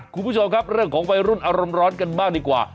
คุณผู้ชมครับเรื่องของวัยรุ่นอารมณ์ร้อนกันบ้างดีกว่า